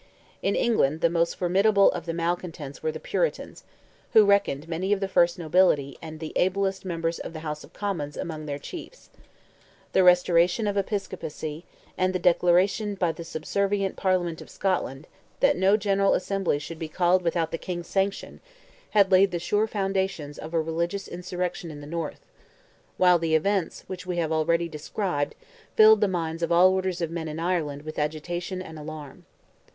In England the most formidable of the malcontents were the Puritans, who reckoned many of the first nobility, and the ablest members of the House of Commons among their chiefs; the restoration of episcopacy, and the declaration by the subservient Parliament of Scotland, that no General Assembly should be called without the King's sanction, had laid the sure foundations of a religious insurrection in the North; while the events, which we have already described, filled the minds of all orders of men in Ireland with agitation and alarm.